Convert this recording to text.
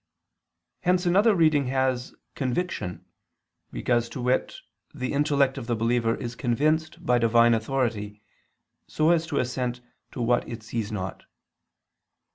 Hence another reading has "conviction," because to wit, the intellect of the believer is convinced by Divine authority, so as to assent to what it sees not.